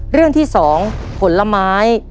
เรื่องที่๒ผลไม้